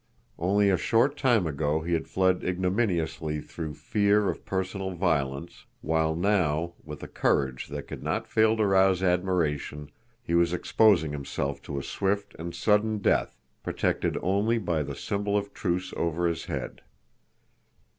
Only a short time ago he had fled ignominiously through fear of personal violence, while now, with a courage that could not fail to rouse admiration, he was exposing himself to a swift and sudden death, protected only by the symbol of truce over his head.